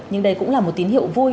nhưng đây cũng là một tín hiệu vui